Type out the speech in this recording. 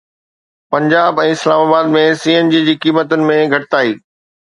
Punjab ۽ Islamabad ۾ C N G G قيمتن ۾ گهٽتائي